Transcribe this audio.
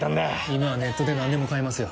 今はネットで何でも買えますよ。